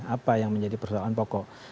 apa yang menjadi persoalan pokok